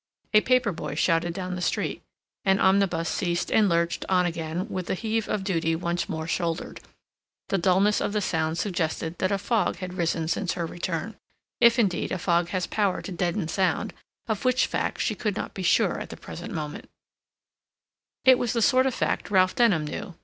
A paper boy shouted down the street; an omnibus ceased and lurched on again with the heave of duty once more shouldered; the dullness of the sounds suggested that a fog had risen since her return, if, indeed, a fog has power to deaden sound, of which fact, she could not be sure at the present moment. It was the sort of fact Ralph Denham knew.